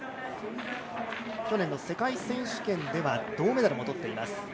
去年の世界選手権では銅メダルもとっています。